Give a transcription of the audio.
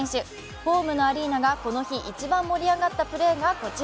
ホームのアリーナがこの日、一番盛り上がったプレーがこちら。